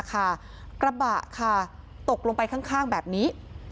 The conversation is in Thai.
กระบะค่ะตกลงไปข้างแบบนี้